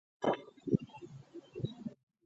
里斯本澳门联络处名称及组织的变更。